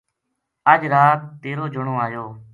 اج رات تیر و جنو ایو